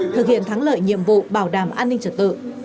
thực hiện thắng lợi nhiệm vụ bảo đảm an ninh trật tự